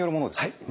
はい。